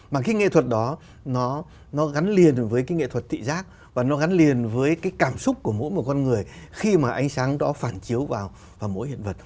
mà cái nghệ thuật đó nó gắn liền với cái nghệ thuật thị giác và nó gắn liền với cái cảm xúc của mỗi một con người khi mà ánh sáng đó phản chiếu vào mỗi hiện vật